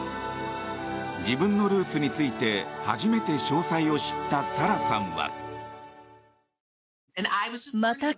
自分のルーツについて、初めて詳細を知ったサラさんは。